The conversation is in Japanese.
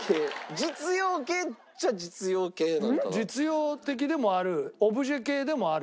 実用的でもある。